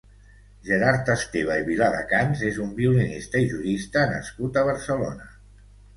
Gerard Esteva i Viladecans és un violinista i jurista nascut a Barcelona.